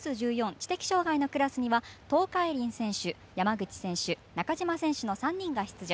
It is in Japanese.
知的障がいのクラスには東海林選手、山口選手中島選手の３人が出場。